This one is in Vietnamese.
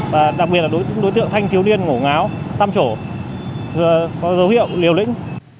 và đặc biệt là đối tượng thanh thiếu điên ngổ ngáo tăm trổ có dấu hiệu liều lĩnh